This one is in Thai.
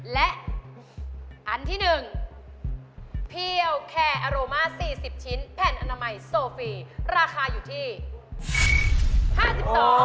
และอันที่๑เพียวแคร์อาโรมา๔๐ชิ้นแผ่นอนามัยโซฟีราคาอยู่ที่๕๒บาท